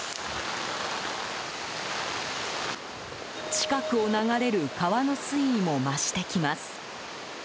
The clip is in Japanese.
近くを流れる川の水位も増してきます。